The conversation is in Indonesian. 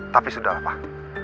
tapi sudah lah pak